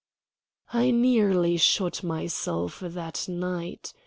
I nearly shot myself that night.